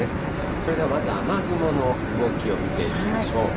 それではまず雨雲の動きを見ていきましょう。